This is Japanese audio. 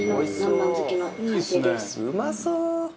「うまそう！」